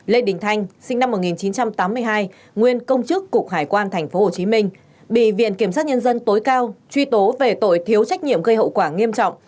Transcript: lê đình thanh sinh năm một nghìn chín trăm tám mươi hai nguyên công chức cục hải quan thành phố hồ chí minh bị viện kiểm sát nhân dân tối cao truy tố về tội thiếu trách nhiệm gây hậu quả nghiêm trọng